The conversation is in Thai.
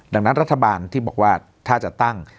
ดังนั้นรัฐบาลที่บอกว่าถ้าจะตั้ง